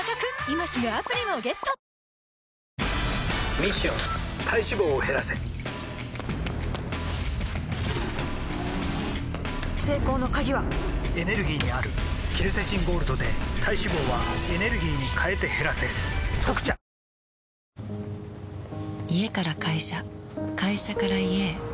ミッション体脂肪を減らせ成功の鍵はエネルギーにあるケルセチンゴールドで体脂肪はエネルギーに変えて減らせ「特茶」「けさの１曲」はポルノグラフィティの「サウダージ」。